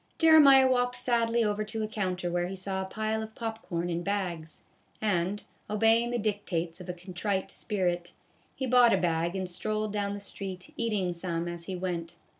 Jeremiah walked sadly over to a counter where he saw a pile of pop corn in bags, and, obeying the dictates of a contrite spirit, he bought a bag and strolled down the street eating some as he went.